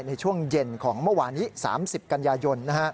ในช่วงเย็นของเมื่อวานนี้๓๐กันยายน